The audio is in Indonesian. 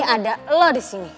ini ada lo disini